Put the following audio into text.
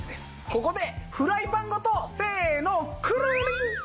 ここでフライパンごとせのくるりん！